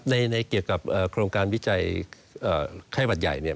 ในเกี่ยวกับโครงการวิจัยไข้หวัดใหญ่เนี่ย